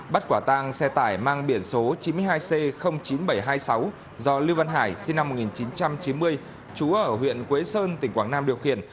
bắt quả tang xe tải mang biển số chín mươi hai c chín nghìn bảy trăm hai mươi sáu do lưu văn hải sinh năm một nghìn chín trăm chín mươi chú ở huyện quế sơn tỉnh quảng nam điều khiển